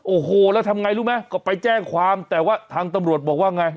โอ้โหแล้วทำไงรู้ไหมก็ไปแจ้งความแต่ว่าทางตำรวจบอกว่าไง